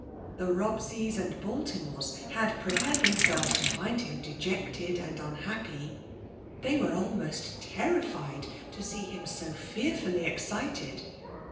The Bobseya and Baltimores had prepared themselves to find him dejected and unhappy; they W€te almost terrified to see him so fearfully excited.